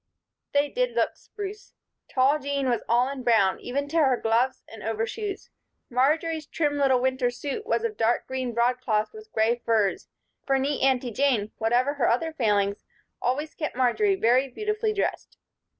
They did look "spruce." Tall Jean was all in brown, even to her gloves and overshoes. Marjory's trim little winter suit was of dark green broadcloth with gray furs, for neat Aunty Jane, whatever her other failings, always kept Marjory very beautifully dressed.